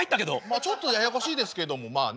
ちょっとややこしいですけどもまあね。